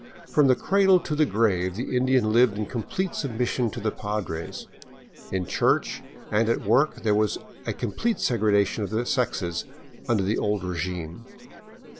From the cradle to the grave the Indian lived in complete submission to the Padres. In church and at work there was a complete segregation of the sexes under the old regime.